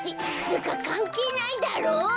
つうかかんけいないだろう。